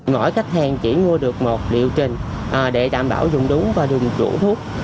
mỗi khách hàng chỉ mua được một liệu trình để đảm bảo dùng đúng và đừng rủ thuốc